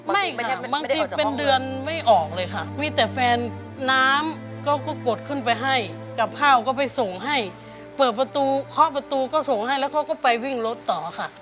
บางทีเป็นเดือนไม่ออกเลยค่ะมีแต่แฟนน้ำก็กดขึ้นไปให้กับข้าวก็ไปส่งให้เปิดประตูเคาะประตูก็ส่งให้แล้วเขาก็ไปวิ่งรถต่อค่ะ